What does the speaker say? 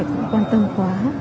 chính phủ quan tâm quá